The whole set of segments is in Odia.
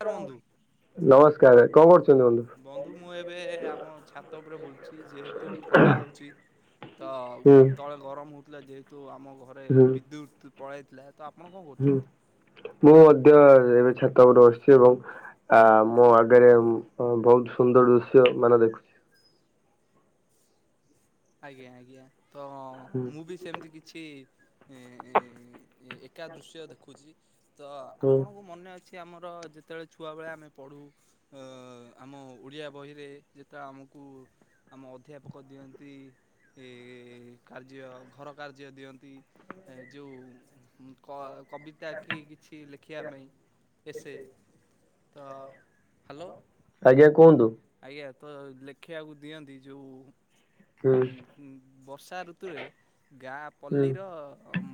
ନମସ୍କାର ବନ୍ଧୁ ନମସ୍କାରେ କଁ କରୁଛ? ବନ୍ଧୁ ମୁଁ ଏବେ ଆମ ଛାତ ଉପରେ ବୁଲୁଚ଼ି ଯେହେତୁ ଠଣ୍ଡା ହଉଚ଼ି। ତ ହୁଁ ତଳେ ଗରମ ହଉ ଥିଲା ଯେହେତୁ ଆମ ଘରେ ହୁଁ ବିଦ୍ୟୁତ୍ ପଳେଇଥିଲା। ତ ଆପଣ କଁ ହୁଁ କରୁଚ଼ନ୍ତି? ମୁଁ ମଧ୍ୟ ଏ ଏବେ ଛାତ ଉପରେ ବସିଚ଼ି ଏବଂ ଆ ମୋ ଆଗରେ ଉୁଁ ଅଁ ବହୁତ୍ ସୁନ୍ଦର ଦୃଶ୍ୟ ମାନେ ଦେଖୁଚ଼ି। ଆଜ୍ଞା ଆଜ୍ଞା ତ ଅଁ ହୁଁ ମୁଁ ବି ସେମିତି କିଛି [inaudible] ଏକା ଦୃଶ୍ୟ ଦେଖୁଚ଼ି ତ ହୁଁ ଆପଣଙ୍କୁ ମନେ ଅ ଅଛି ଆମର ଯେତେଏଳେ ଛୁଆବେଳେ ଆମେ ପଢୁ ଅ ଆମ ଓଡ଼ିଆ ବହିରେ ଯେତେ ବେଳେ ଆମ ଆମକୁ ଆମ ଅଧ୍ୟାପକ ଦିଅନ୍ତି, ଇ ଏ କାର୍ଯ୍ୟ ଆଉ ଘର କାର୍ଯ୍ୟ ଦିଅନ୍ତି, ଯୋଉ କ ଆ କବିତା କି କିଛି ଲେଖିଆ ପାଇଁ, ଏ ସେ ଆଜ୍ଞା କୁହନ୍ତୁ? ଆଜ୍ଞା ତ ଲେଖିଆକୁ ଦିଅନ୍ତି, ଯୋଉ ହୁଁ -ଗୁଁ ବର୍ଷା ଋତୁରେ ଗାଁ ହୁଁ ପଲ୍ଲୀର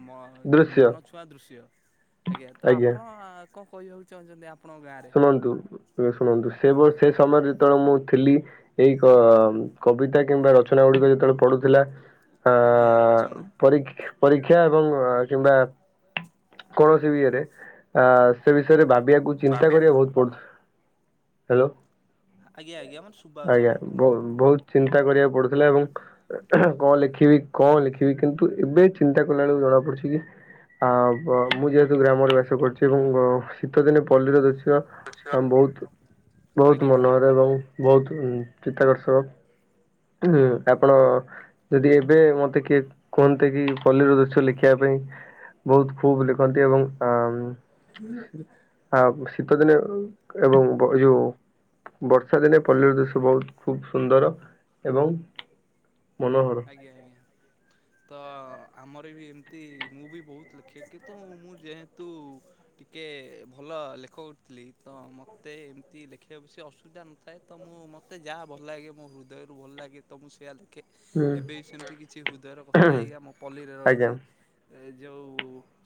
ମ ଦୃଶ୍ୟ ମନଛୁଆଁ ଦୃଶ୍ୟ। ଆଜ୍ଞା ତ ଆପଣ କଣ କହିବାକୁ ଚାହୁଁଚ଼ନ୍ତି? ଆପ ଶୁଣନ୍ତୁ ଶୁଣନ୍ତୁ ସେ ବୟସ୍ ସେ ସମୟରେ ଯେତେବେଳେ ମୁଁ ଥିଲି, ଏଇ କ କବିତା କିମ୍ବା ରଚନା ଗୁଡ଼ିକ ଯେତେବେଳେ ପଡୁଥିଲା। ଆଜ୍ଞା ଆଁ ରଚନା ପରୀକ୍ଷ୍ ପରୀକ୍ଷା ଏବଂ କିମ୍ବା କୌଣସି ବି ଇଏରେ, ଆ ସେ ବିଷୟରେ ଭାବିଆ ଚିନ୍ତା କରିବା ବହୁତ୍ ପଡୁଥ୍ ହାଲୋ। ଆଜ୍ଞା ଆଜ୍ଞା ମତେ ସୁ ଆଜ୍ଞା ବହୁ ବହୁତ ଚିନ୍ତା କରିବାକୁ ପଡୁଥିଲା, ଏବଂ କଣ ଲେଖିବି କଣ ଲେଖିବି କିନ୍ତୁ ଏବେ ଚିନ୍ତା କଲାବେଳକୁ ଜଣା ପଡିଛି କି? ଆ ମୁଁ ଯେହେତୁ ଗ୍ରାମରେ ବାସ କରୁଛି ଏବଂ ଶୀତଦିନେ ପଲ୍ଲୀରେ ଦୃ ଆମ ବହୁତ ବହୁତ ଆଜ୍ଞା ଆଜ୍ଞା ମନହୋର ଏବଂ ବହୁତ ଚିତାକର୍ଷକ। ହୁଁ ଆପଣ ଯଦି ଏବେ ମତେ, କିଏ କୁହନ୍ତେ କି ପଲ୍ଲୀର ଦୃଶ୍ୟ ଲେଖିବା ପାଇଁ ବହୁତ ଖୁବ ଲେଖନ୍ତି ଏବଂ ଆ ଆ ଶୀତ ଦିନେ ଏବଂ ଏ ଯୋଉ ହଁ ଶୀତଦିନେ ପଲ୍ଲୀର ଦୃଶ୍ୟ, ବହୁତ ଖୁବ ସୁନ୍ଦର ଏବଂ ମନୋହର। ଆଜ୍ଞା ଆଜ୍ଞା ତ ଆମର ବି ଏମିତି, ମୁଁ ବି ବହୁତ ଲେଖେ କିନ୍ତୁ ମୁଁ ଯେହେତୁ ଟିକେ ଭଲ ତ ଲେଖଉଥିଲି, ତ ମତେ ଏମିତି ଲେଖିବାକୁ ସେ ଅସୁବିଧା ନଥାଏ। ତ ମୁଁ ମତେ ଯାହା ଭଲ ଲାଗେ ଲାଗେ ମୋ ହୃଦୟରୁୁ ଭଲ ଲାଗେ, ତ ମୁଁ ସେଇଆ ଲେଖେ। ହୁଁ ଏବେ ବି ସେମିତି କିଛି ହୃଦୟର କଥା, ଏଇଆ ମୁଁ ପଲ୍ଲୀରେ ଆଜ୍ଞା ରହିଛି। ଏ ଯୋଉ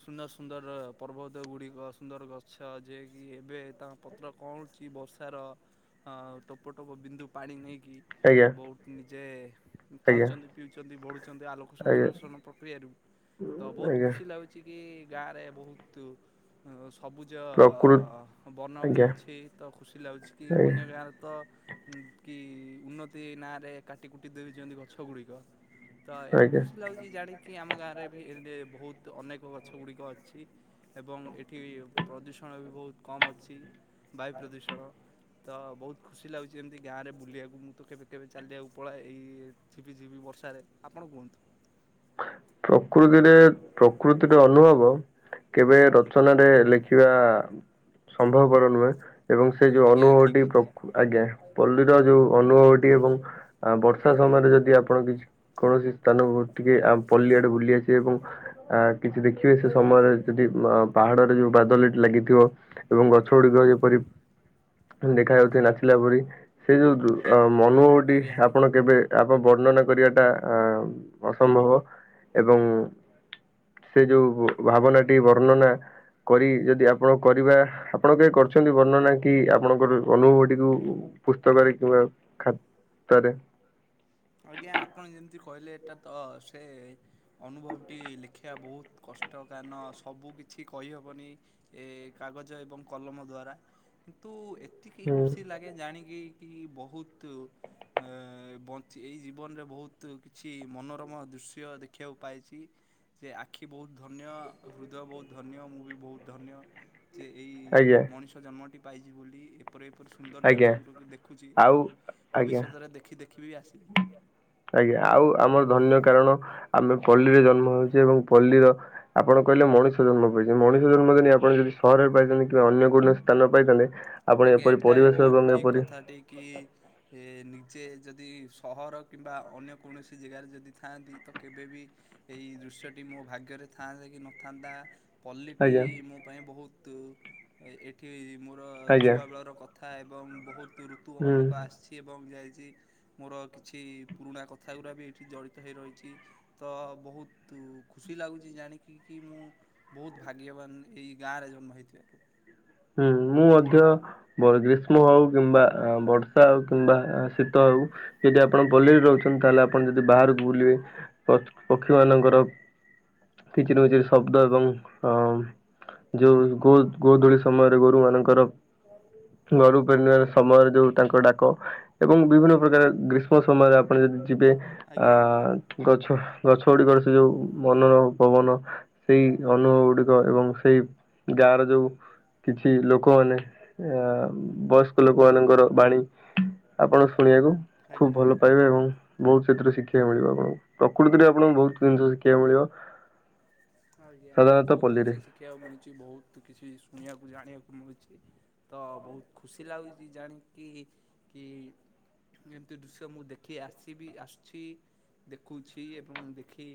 ସୁନ୍ଦର ସୁନ୍ଦର ପର୍ବତ ଗୁଡ଼ିକ, ସୁନ୍ଦର ଗଛ ଯିଏ କିି ଏବେ ଶ୍ୟ, ପତ୍ର କଅଁଳଲୁଚି ବର୍ଷାର ଟୋପ ଟୋପ ବିନ୍ଦୁ ପାଣି ନେଇ କି ଆଜ୍ଞା ବହୁତ ନିଜେ ଆଜ୍ଞା ଖାଉଛନ୍ତି, ପିଉଛନ୍ତି, ବଢ଼ୁଛନ୍ତି ଆଲୋକ ଆଜ୍ଞା। ସଂଶ୍ଳେଷଣ ପ୍ରକ୍ରିୟାରୁ ତ ବହୁତ ଆଜ୍ଞା ଖୁସି ଲାଗୁଛି କି, ଗାଁ ରେ ବହୁତ ସ ସବୁଜ ପ୍ରକୃତ ବନ ବି ଆଜ୍ଞା ଅଛି, ତ ଖୁସି ଲାଗୁଛି କି ଆଜ୍ଞା ଅନ୍ୟ ଗାଁରେ ତ କି ଉନ୍ନତି ନାଁରେ କାଟି କୁଟି ଦେଇଉଛନ୍ତି ଗଛ ଗୁଡିକ। ତ ଏବେ ଆଜ୍ଞା। ଖୁସି ଲାଗୁଛି ଜାଣିକି, ଆମ ଗାଁ ରେ ବି ଏ ବହୁତ ଅନେକ ଗଛ ଗୁଡ଼ିକ ଅଛି। ଏବଂ ଏଠି ପ୍ରଦୂଷଣ ବି ବହୁତ କମ୍ ଅଛି ବାୟୁ ପ୍ରଦୂଷଣ। ତ ବହୁତ ଖୁସି ଲାଗୁଛି, ଏମିତି ଗାଁ ରେ ବୁଲିବାକୁ। ମୁଁ ତ କେବେ କେବେ ଚାଲିବାକୁ ପଳାଇ। ଝିପି ଝିପି ବର୍ଷାରେ। ଆପଣ କୁହନ୍ତୁ? ପ୍ରକୃତିରେ, ପ୍ରକୃତିରୁ ଅନୁଭବ କେବେ ରଚନାରେ ଲେଖିବା ସମ୍ଭବପର ନୁହେଁ। ଏବଂ ସେ ଯୋଉ ଆଜ୍ଞା ଠିକ୍ ଅନୁଭବଟି କଥା ପ୍ର ଆଜ୍ଞା। ପଲ୍ଲୀର ଯୋଉ ଅନୁଭବଟି, ଏବଂ ବର୍ଷା ସମୟରେ ଯଦି ଆପଣ କିଛି କୌଣସି ସ୍ଥାନକୁ ଟିକେ ଆ ପଲ୍ଲୀ ଆଡେ ବୁଲି ଆସିବେ, ଏବଂ ଆ କିଛି ଦେଖିବେ ସେ ସମୟରେ ଯଦି ପାହାଡରେ ଯୋଉ ବାଦଲ ଟି ଲା ଲାଗିଥିବ, ଏବଂ ଗଛ ଗୁଡିକ ଯେପରି ଦେଖାଯାଉଛି ନାଚିଲା ଭଳି। ସେ ଯୋଉ ଅ ଅନୁଭବଟି ଆଜ୍ଞା ଆଜ୍ଞା। ଆପଣ କେବେ ଆପଣ ବର୍ଣ୍ଣନା କରିବାଟା ଅସମ୍ଭବ ଏବଂ ସେ ଯୋଉ ଭାବନାଟି ବର୍ଣ୍ଣନା କରି ଯଦି ଆପଣ କରିବା, ଆପଣ କେବେ କରିଛନ୍ତି ବର୍ଣ୍ଣନା କି ଆପଣଙ୍କର ଅନୁଭବଟିକୁ? ପୁସ୍ତକରେ କିମ୍ୱା ଖାତାରେ? ଆଜ୍ଞା ଆପଣ ଯେମିତି କହିଲେ, ଏଟା ତ ସେ ଅନୁଭବ ଟି ଲେଖିବା ବହୁତ କଷ୍ କଷ୍ଟ କାରଣ ସବୁ କିଛି କହିହବନି ଏ କାଗଜ ଏବଂ କଲମ ଦ୍ଵାରା। କିନ୍ତୁ ଏତିକି ହୁଁ ଖୁସି ଲାଗେ ଜାଣିକି କି, ବହୁତ ବ ଞ୍ଚି ଏଇ ଜୀବନରେ ବହୁତ କିଛି ମନୋରମ ଦୃଶ୍ୟ ଦେଖିବାକୁ ପାଇଛି। ସେ ଆଖି ବହୁତ ଧନ୍ୟ, ହୃଦୟ ବହୁତ ଧନ୍ୟ, ମୁଁ ବି ବହୁତ ଧନ୍ୟ। ଯେ ଏଇ ଆଜ୍ଞା ମଣିଷ ଜନ୍ମଟି ପାଇଛି ବୋଲି ଏପରି ଏପରି ସୁନ୍ଦର ଜିନିଷ ଆଜ୍ଞା ଗୁଡାକୁ ଦେଖୁଛି, ଆଉ ଏବଂ ଭବିଷ୍ୟତରେ ଦେଖି ଦେଖି ବି ଆସି ଟ ଆଜ୍ଞା ଆଉ ଆମର ଧନ୍ୟ, କାରଣ ଆମେ ପଲ୍ଲୀରେ ଜନ୍ମ ହଉଛେ ଏବଂ ପଲ୍ଲୀର ଆପଣ କହିଲେ ମଣିଷ ଜନ୍ମ ପାଇଚେ, ମଣିଷ ଜନ୍ମ ଯଦି ଆପଣ ଯଦି ସହରରେ ପାଇଥାନ୍ତେ କିମ୍ବା ଅନ୍ୟ କୌଣସି ସ୍ଥାନରେ ପାଇଥାନ୍ତେ। ଆପଣ ଆଜ୍ଞା ଏପରି ଏଟା ପରିବେଶ ବହୁତ ଏବଂ ଠିକ ଏପରି କଥା ଯିଏ କି ଯେ ଯଦି ସହର, କିମ୍ବା ଅନ୍ୟ କୌଣସି ଜାଗାରେ ଯଦି ଥାଆନ୍ତି। ତ କେବେ ବିି ଏଇ ଦୃଶ୍ୟଟି ମୋ ଭାଗ୍ୟରେ ଥାନ୍ତା କି ନଥାନ୍ତା? ପଲ୍ଲୀଟି ଆଜ୍ଞା ମୋ ପାଇଁ ବହୁତ, ଏଠି ମୋର ଆଜ୍ଞା ଛୁଆବେଳର କଥା, ଏବଂ ବହୁତ ଋତୁ ହୁଁ ଅନେକ ଆସିଛି ଏବଂ ଯାଇ ଛି ମୋର କିଛି ପୁରୁଣା କଥା ଗୁଡ଼ା ବି, ଏଇଠି ଜଡ଼ିତ ହେଇ ରହିଛି। ତ ବହୁତ ଖୁସି ଲାଗୁଛି ଜାଣିକି କି, ମୁଁ ବହୁତ ଭାଗ୍ୟବାନ ଏଇ ଗାଁରେ ଜନ୍ମ ହେଇଥିବାରୁ। ହୁଁ -ମୁଁ ମଧ୍ୟ ଗ୍ରୀଷ୍ମ ଆଉ, କିମ୍ବା ବର୍ଷା ଆଉ, କିମ୍ବା ଶୀତ ଆଉ ଯଦି ଆପଣ ପଲ୍ଲୀରେ ରହୁଛନ୍ତି, ତାହେଲେ ଆପଣ ଯଦି ବାହାରକୁ ବୁଲିବେ ପକ୍ଷୀ ମାନଙ୍କର କିଚିରି ମିଚିରି ଶବ୍ଦ ଏବଂ ଅ ଯୋଉ ଗୋ ଗୋଦୂଳି ସମୟରେ ଗୋରୁମାନଙ୍କର ଘରୁ ଫେରିବାର ସମୟର ଯୋଉ ତାଙ୍କର ଡାକ, ଏବଂ ବିଭିନ୍ନ ପ୍ରକାର ଗ୍ରୀଷ୍ମ ସମୟରେ ଆପଣ ଯଦି ଯିବେ ଆ ଆଜ୍ଞା ଆଜ୍ଞା ଗଛ ଗଛ ଗୁଡିକର ସେ, ଯୋଉ ମନର ପବନ ସେଇ ଅନୁଭବ ଗୁଡିକ ଏବଂ ସେଇ ଗାଁର ଯୋଉ କିଛି ଲୋକମାନେ, ବୟସ୍କ ଲୋକମାନଙ୍କର ବାଣୀ ଆପଣ ଶୁଣିବାକୁ ଖୁବ୍ ଆଜ୍ଞା ଭଲ ଆଜ୍ଞା। ପାଇବେ, ଏବଂ ବହୁତ ସେଥି୍ର ଶିଖିବା ଶିଖିବାକୁ ମିଳିବ ଆପଣଙ୍କୁ, ପ୍ରକୃତିରେ ଆପଣଙ୍କୁ ବହୁତ ଜିନିଷ ଶିଖିବାକୁ ମିଳିବ। ଆଜ୍ଞା ସାଧାରଣତଃ ବହୁତ ପଲ୍ଲୀରେ କିଛି ଶିଖିବାକୁ ମିଳୁଛି, ବହୁତ କିଛି ଶୁଣିବାକୁ ଜାଣିବାକୁ ହେଉଛି ତ ବହୁତ ଖୁସି ଲାଗୁଛି, ଜାଣିକି କି ଏମିତି ଦୃଶ୍ୟ ମୁଁ ଦେଖି ଆସି ବି, ଆସୁଛି। ଦେଖୁଛି ଏବଂ ଦେଖି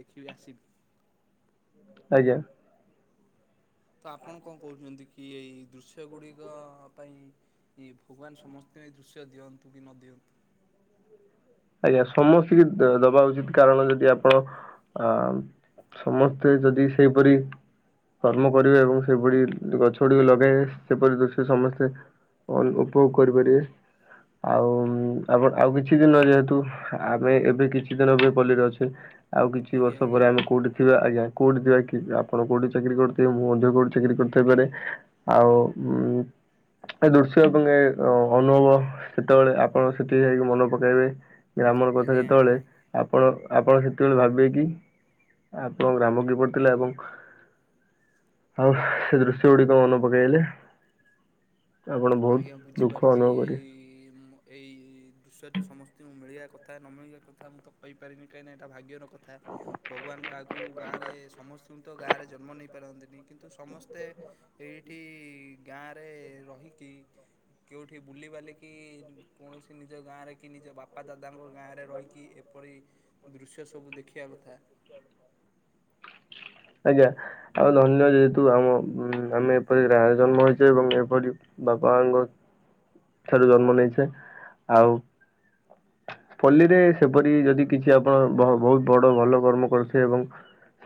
ଦେଖିବି ଆସିବି ଆଜ୍ଞା। ତ ଆପଣ କଣ କହୁଛନ୍ତି କି, ଏଇ ଦୃଶ୍ୟ ଗୁଡିକ ପାଇଁ ଏ ଭଗବାନ ସମସ୍ତଙ୍କୁ ଏ ଦୃଶ୍ୟ ଦିଅନ୍ତୁ କି, ନ ଦିଅନ୍ତୁ ହୁଁ ଆଜ୍ଞା ସମସ୍ତିକି ଦବା ଉଚିତ, କାରଣ ଯଦି ଆପଣ ଅ ସମସ୍ତେ ଯଦି ସେଇପରି କର୍ମ କରିବେ, ଏବଂ ସେଭଳି ଗଛ ଗୁଡିକ ଲଗେଇବେ ସେପରି ଦୃଶ୍ୟ ସମସ୍ତେ ଉପଭୋଗ କରିପାରିବେ, ଆଉ ଆ ଆଉ କିଛି ଦିନ ଯେହେତୁ କି ଆମେ ଏବେ କିଛି ଦିନ ବି ପଲ୍ଲୀରେ ଅଛେ, ଆଉ କିଛି ଆଜ୍ଞା ବର୍ଷ ଆଜ୍ଞା ପରେ ଆମେ କୋଉଠି ଥିବା ଆଜ୍ଞା। କୋଉଠି ଥିବା କି ଆପଣ କୋଉଠି ଚାକିରି କରୁଥିବେ, ମୁଁ ମଧ୍ୟ କୋଉଠି ଚାକିରି କରିୁଥାଇପାରେ? ଆଉ ଏ ଦୃଶ୍ୟ ଏବଂ ଏ ଅନୁଭବ ସେତେବେଳେ, ଆପଣ ସେଠି ଯାଇକି ମନେ ପକାଇବେ। ଗ୍ରାମର କଥା ଆଜ୍ଞା ଯେତେବେଳେ ଆଜ୍ଞା ଆଜ୍ଞା। ଆପଣ ଆପଣ ସେତେବେଳେ ଭାବିବେ କି, ଆପଣଙ୍କ ଗ୍ରାମ କି ପରି ଥିଲା ଏବଂ ଆଉ ସେ ଦୃଶ୍ୟ ଗୁଡିକ ମନେ ପକାଇଲେ ଆଜ୍ଞା ବୁଝିପାରୁଛି, ଏଇ ଏଇ ଦୃଶ୍ୟଟି ସମସ୍ତଙ୍କୁ ମିଳିବା କଥା ନମିଳିବା କଥା ମୁଁ ତ କହିପାରିନି କାହିଁକି ଏଇଟା ଭାଗ୍ୟର କଥା ଭଗବାନ କାହାକୁ ଗାଁ ରେ ସମ ସମସ୍ତଙ୍କୁ ତ ଗାଁରେ ଜନ୍ମ ନେଇ ପାରନ୍ତିନି କିନ୍ତୁ ସମସ୍ତେ ଏଇଠି ଗାଁରେ ରହି [inaudible] କେଉଠି ବୁଲି ବାଲିକି କୌଣସି ନିଜ ଗାଁରେ କି ନିଜ ବାପା ଦାଦାଙ୍କ ଗାଁ ରେ ରହିକି ପରି ଦୃଶ୍ୟ ସବୁ ଦେଖିବା କଥା। [inaudible] ଆଜ୍ଞା ଆଉ ଧନ୍ୟ ଯେହେତୁ ଆମ ଆମେ ଏପରି ଗ ଜନ୍ମ ହେଇଛେ ଏବଂ ଏପରି ବାପା ମାଙ୍କ ଠାରୁ ଜନ୍ମ ନେଇଛେ ଆଉ ପଲ୍ଲୀରେ ସେପରି ଯଦି କିଛି ଆପଣ ବହୁତ ବଡ ଭଲ କର୍ମ କରୁଥିବେ ଏବଂ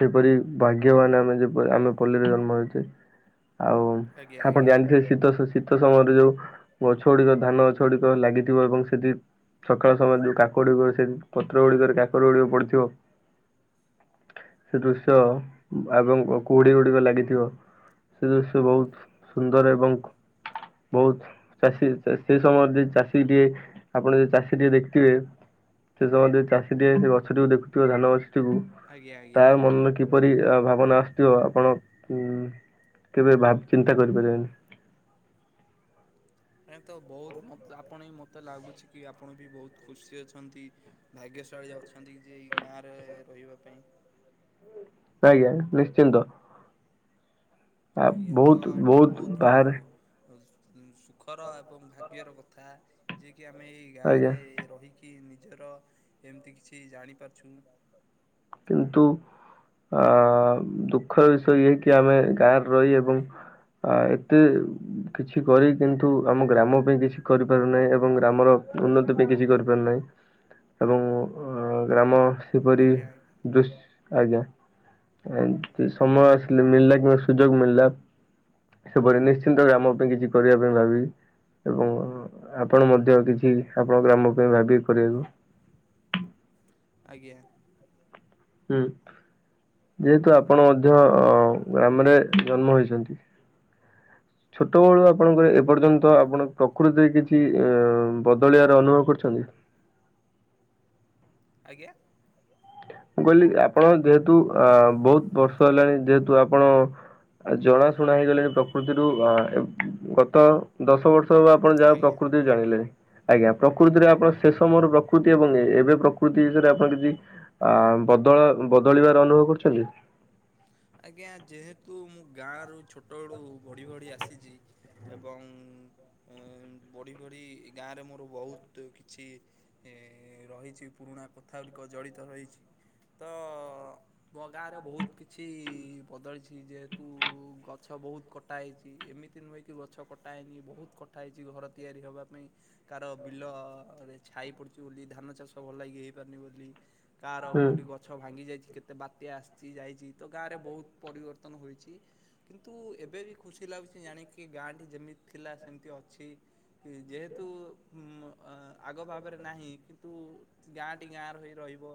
ସେପରି ଭାଗ୍ୟବାନ ଆମେ ଯେ ଆମେ ପଲ୍ଲୀରେ ଜନ୍ମ ହେଉଛେ। ଆଉ ଆଜ୍ଞା ଆପଣ ଆଜ୍ଞା ଜାଣିଥିବେ ଶୀତ ଶୀତ ସମୟରେ ଯୋଉ ଗଛ ଗୁଡିକ ଧାନ ଗଛ ଗୁଡିକ ଲାଗିଥିବ ଏବଂ ସେଠି ସକାଳ ସମୟ ଯୋଉ କାକର ଗୁଡିକ ସେ ପତ୍ର ଗୁଡିକରେ କାକର ଗୁଡିକ ପଡିଥିବ। ସେ ଦୃଶ୍ୟ ଆଗମ କୁହୁଡିଗୁଡିକ ଲାଗିଥିବ ସେ ଦୃଶ୍ୟ ବହୁତ ସୁନ୍ଦର ଏବଂ ବହୁତ ଚାଷୀ ସେଇ ସମୟରେ ଯଦି ଚାଷୀ ଟେ ଆପଣ ଯଦି ଚାଷୀ ଟିକେ ଦେଖିଥିବେ ସେ ସମୟ ଚାଷୀ ଟିଏ ସେ ଗଛଟିକୁ ଦେଖୁଥିବ ଧାନ ଗ ଆଜ୍ଞା ତା ଆଜ୍ଞା। ମନରେ କିପରି ଭାବନା ଆସିଥିବ ଆପଣ ହୁଁ କେବେ ଭାବେ ଚିନ୍ତା କରିପାରିବାନି ପ୍ର ତ ବହୁତ ମତ୍ ଆପଣ ବି ମୋତେ ଲାଗୁଛି କି ଆପଣ ବି ବହୁତ ଖୁସି ଅଛନ୍ତି ଭାଗ୍ୟଶାଳୀ ଅଛନ୍ତି ଯେଇ ଗାଁରେ ରହିବା ପାଇଁ ଆଜ୍ଞା ନିଶ୍ଚିନ୍ତ। ଆ ଆଜ୍ଞା ତ ବହୁତ ଏଟା ବହୁତ ବାହାରେ ସୁଖର ଏବଂ ଭାଗ୍ୟର କଥା ଯିଏ କି ଆମେ ଏଇ ଗାଁରେ ଆଜ୍ଞା ରହିକି ମି ନିଜର ଏମିତି କିଛି ଜାଣି ପାରୁଛୁ। କିନ୍ତୁ ଅ ଦୁଃଖର ବିଷୟ ଇଏ କି ଆମେ ଗାଁରେ ରହି ଏବଂ ଆ ଏତେ କିଛି କରି କିନ୍ତୁ ଆମ ଗ୍ରାମ ପାଇଁ କିଛି କରିପାରୁନାହିଁ ଏବଂ ଗ୍ରାମର ଉନ୍ନତି ବି କିଛି କରିପାରିନାହିଁ ଏବଂ ଗ୍ରାମ ସେପରି ଆଜ୍ଞା ଆଜ୍ଞା ଦୁଶ୍ ଆଜ୍ଞା ଏକ ସମୟ ଆସିଲେ ମିଳିଲା କି ସୁଯୋଗ ମିଳିଲା ସେପରି ନିଶ୍ଚିନ୍ତ ଆମ ପାଇଁ କିଛି କରିବା ପାଇଁ ଭାବିବି। ଏବଂ ଆପଣ ମଧ୍ୟ କିଛି ଆପଣ ଗ୍ରାମ ପାଇଁ ଭାବିକି କରିବାକୁ [inaudible] ଆଜ୍ଞା। ହୁଁ। ଯେହେତୁ ଆପଣ ମଧ୍ୟ ଗ୍ରାମରେ ଜନ୍ମ ହୋଇଛନ୍ତି। ଛୋଟବେଳୁ ଆପଣଙ୍କର ଏପର୍ଯ୍ୟନ୍ତ ଆପଣ ପ୍ରକୃତି ଦେଇ କିଛି ବଦଳିବାର ଅନୁଭବ କରିଛନ୍ତି [inaudible] ଆଜ୍ଞା? ମୁଁ କହିଲି ଆପଣ ଯେହେତୁ ଅ ବହୁତ ବର୍ଷ ହେଲାଣି ଯେହେତୁ ଆପଣ ଆ ଜଣାଶୁଣା ହେଇଗଲେ ପ୍ରକୃତିରୁ ଗତ ଦଶ ବର୍ଷ ତ ଆପଣ ଯାହା ଆଜ୍ଞା। ପ୍ରକୃତି ଜାଣିଲେ ଆଜ୍ଞା ପ୍ରକୃତିରେ ଆପଣ ଶେଷ ମୋର ପ୍ରକୃତି ଏବଂ ଏବେ ପ୍ରକୃତି ବିଷୟରେ ଆପଣ କିଛି ଆ ବଦଳ ବଦଳିବାର ଅନୁଭବ କରୁଛନ୍ତି? ଆଜ୍ଞା ଯେହେତୁ ମୁଁ ଗାଁ ଛୋଟ ବେଳୁ ବଢି ବଢି ଆସି [inaudible] ଏବଂ ବଢ଼ି ବଢ଼ି ଏ ଗାଁରେ ମୋର ବହୁତ କିଛି ଏ ରହିଛି ପୁରୁଣା କଥା ଗୁଡ଼ିକ ଜଡ଼ିତ ରହିଛି। ତ ମୋ ଗାଁର ବହୁତ କିଛି ବଦଳିଛି ଯେହେତୁ ଗଛ ବହୁତ କଟା ହେଇଛି ଏମିତି ନୁହେଁ କି ଗଛ କଟା ହେଇନି ବହୁତ କଥା ହେଇଛି ଘର ତିଆରି ହବା ପାଇଁ କାର ବିଲ-ରେ ଛାଇ ପଡୁଛି ବୋଲି ଧାନ ଚାଷ ଭଲ ଲାଗି ହେଇପାରୁନି ବୋଲି କାହାର ହୁଁ କୋଉଠି ଗଛ ଭାଙ୍ଗି ଯାଇଛି କେତେ ବାତ୍ୟା ଆସିଛି ଯାଇଛି ତ ଗାଁରେ ବହୁତ ପରିବର୍ତ୍ତନ ହୋଇଛି କିନ୍ତୁ ଏବେ ବି ଖୁସି ଲାଗୁଛି ଜାଣିକି ଗାଁଟି ଯେମିତି ଥିଲା ସେମିତି ଅଛି। କି ଯେହେତୁ ଉ ଆଗ ଭାବରେ ନାହିଁ କିନ୍ତୁ ଗାଁଟି ଗାଁ ର ହେଇ ରହି ଏବ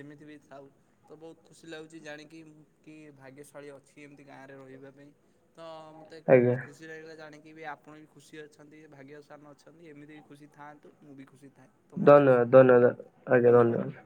ଯେମିତି ବି ଥାଉ ତ ବହୁତ ଖୁସି ଲାଗୁଛି ଜାଣିକି କି ଭାଗ୍ୟଶାଳୀ ଅଛି ଏମିତି ଗାଁରେ ରହିବା ପାଇଁ ତ ମୋତେ ଆଜ୍ଞା ଖୁସି ଲାଗିଲା ଜାଣି ଏବେ ଆପଣ ବି ଖୁସି ଅଛନ୍ତି ଭାଗ୍ୟସ୍ଥାନ ଅଛନ୍ତି ଏମିତି ବି ଖୁସି ଥାନ୍ତୁ ମୁଁ ବି ଖୁସି। ଥାଏ ତ ମୁଁ ଦଇଲ ଆସୁଛି ଦଇଲ ଆଜ୍ଞା ଧନ୍ୟବାଦ।